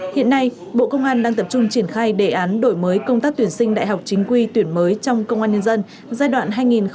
hiện nay bộ công an đang tập trung triển khai đề án đổi mới công tác tuyển sinh đại học chính quy tuyển mới trong công an nhân dân giai đoạn hai nghìn một mươi sáu hai nghìn hai mươi năm